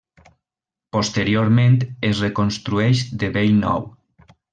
Posteriorment es reconstrueix de bell nou.